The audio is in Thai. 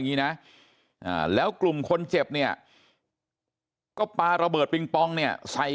อย่างนี้นะแล้วกลุ่มคนเจ็บเนี่ยก็ปาระเบิดปิงปองเนี่ยใส่